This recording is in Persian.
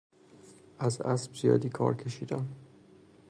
از اسب زیادی کار کشیدن